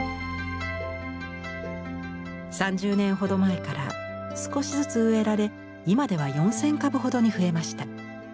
３０年ほど前から少しずつ植えられ今では４，０００株ほどに増えました。